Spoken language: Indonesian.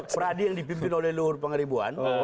peradi yang dipimpin oleh luhur pangeribuan